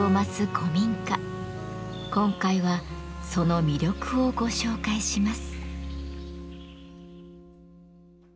今回はその魅力をご紹介します。